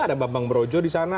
ada bambang brojo disana